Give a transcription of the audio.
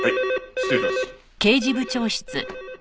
失礼します。